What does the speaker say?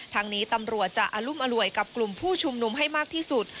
ทางนี้ตำรวจจะอรุมอร่วยกับกลุ่มผู้ชุมนุมให้มากที่สุด